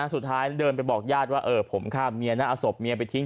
สุดท้ายเดินไปบอกญาติว่าผมฆ่าเมียนะเอาศพเมียไปทิ้ง